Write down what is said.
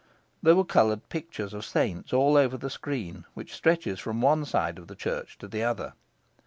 There were coloured pictures of saints all over the screen, which stretches from one side of the church to the other.